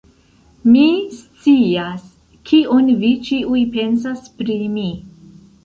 Mi scias, kion vi ĉiuj pensas pri mi!